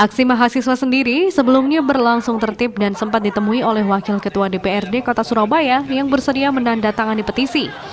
aksi mahasiswa sendiri sebelumnya berlangsung tertib dan sempat ditemui oleh wakil ketua dprd kota surabaya yang bersedia menandatangani petisi